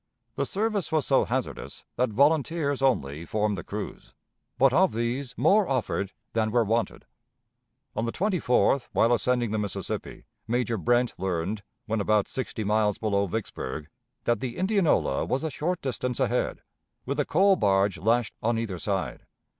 The service was so hazardous that volunteers only formed the crews, but of these more offered than were wanted. On the 24th, while ascending the Mississippi, Major Brent learned, when about sixty miles below Vicksburg, that the Indianola was a short distance ahead, with a coal barge lashed on either side.